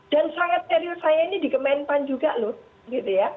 dan saya sangat serius saya ini di kemenpan juga lut